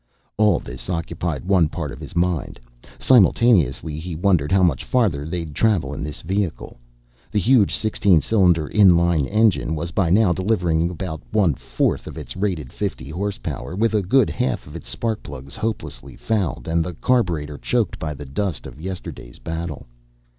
All this occupied one part of his mind. Simultaneously, he wondered how much farther they'd travel in this vehicle. The huge sixteen cylinder in line engine was by now delivering about one fourth of its rated fifty horsepower, with a good half of its spark plugs hopelessly fouled and the carburetor choked by the dust of yesterday's battle.